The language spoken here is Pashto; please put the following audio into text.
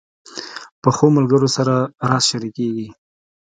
پخو ملګرو سره راز شریکېږي